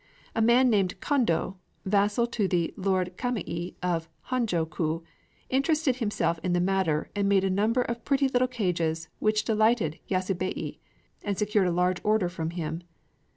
A man named Kondō, vassal to the Lord Kamei of Honjō ku, interested himself in the matter, and made a number of pretty little cages which delighted Yasubei, and secured a large order from him.